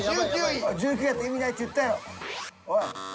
１９位やと意味ないって言ったやろ。